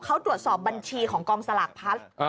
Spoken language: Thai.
เขาตรวจสอบบัญชีของกองสลากพลัส